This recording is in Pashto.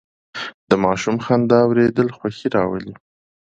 د ماشوم خندا اورېدل خوښي راولي.